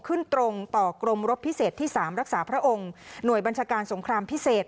ขึ้นตรงต่อกรมรบพิเศษที่๓รักษาพระองค์หน่วยบัญชาการสงครามพิเศษ